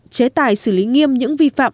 chế tài xử lý nghiêm những vi phạm